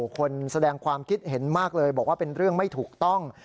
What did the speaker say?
คนแสดงความคิดเห็นมากเลยบอกว่าเป็นเรื่องไม่ถูกต้อง